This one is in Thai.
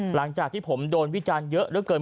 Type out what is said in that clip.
หลังจากที่ผมโดนวิจารณ์เยอะเหลือเกิน